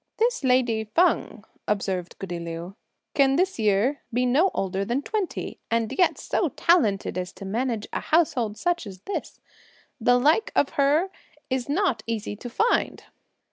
"This lady Feng," observed goody Liu, "can this year be no older than twenty, and yet so talented as to manage such a household as this! the like of her is not easy to find!"